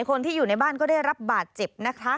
คนที่อยู่ในบ้านก็ได้รับบาดเจ็บนะคะ